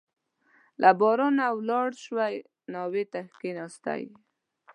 له بارانه ولاړ شوی او ناوې ته کښېنستلی وو.